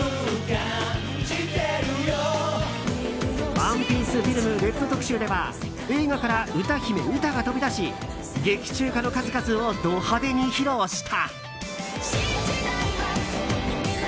「ＯＮＥＰＩＥＣＥＦＩＬＭＲＥＤ」特集では映画から歌姫ウタが飛び出し劇中歌の数々をド派手に披露した。